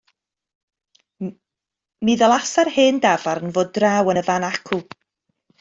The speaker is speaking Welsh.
Mi ddylase'r hen dafarn fod draw yn y fan acw.